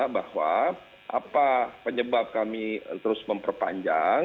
bahwa apa penyebab kami terus memperpanjang